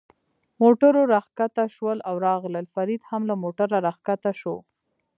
موټرو را کښته شول او راغلل، فرید هم له موټره را کښته شو.